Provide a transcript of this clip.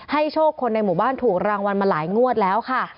โชคคนในหมู่บ้านถูกรางวัลมาหลายงวดแล้วค่ะ